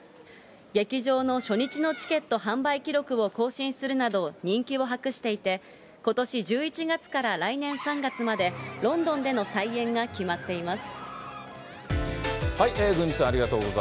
劇場の初日のチケット販売記録を更新するなど人気を博していて、ことし１１月から来年３月まで、ロンドンでの再演が決まっています。